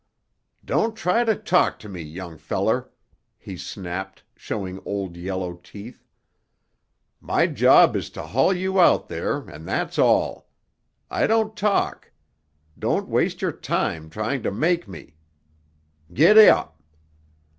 "Don't try to talk to me, young feller," he snapped, showing old yellow teeth. "My job is to haul you out there, and that's all. I don't talk. Don't waste your time trying to make me. Giddap!"